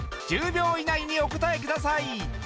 １０秒以内にお答えください